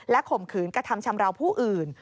ข่มขืนกระทำชำราวผู้อื่น